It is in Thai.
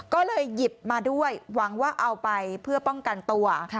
ก็เลยหยิบมาด้วยหวังว่าเอาไปเพื่อป้องกันตัว